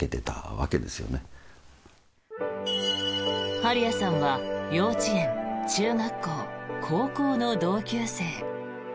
針谷さんは幼稚園、中学校、高校の同級生。